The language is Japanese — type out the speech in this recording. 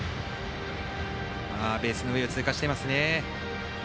ベースの上を通過していますね。